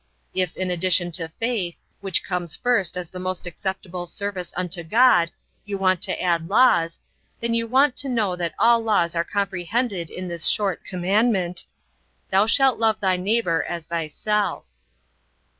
If in addition to faith, which comes first as the most acceptable service unto God, you want to add laws, then you want to know that all laws are comprehended in this short commandment, 'Thou shalt love thy neighbour as thyself.'"